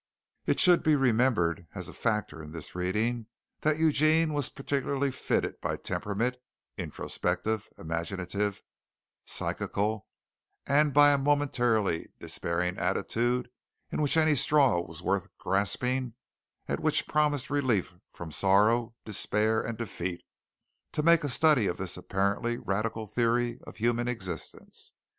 It should be remembered as a factor in this reading that Eugene was particularly fitted by temperament introspective, imaginative, psychical and by a momentarily despairing attitude, in which any straw was worth grasping at which promised relief from sorrow, despair and defeat, to make a study of this apparently radical theory of human existence.